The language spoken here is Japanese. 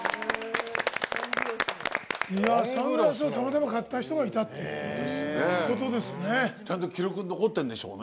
サングラスをたまたま買った人がいるってことですね。